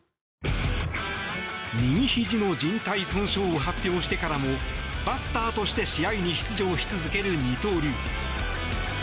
右ひじのじん帯損傷を発表してからもバッターとして試合に出場し続ける二刀流。